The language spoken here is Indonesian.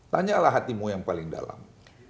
tanyalah hatimu yang paling dalam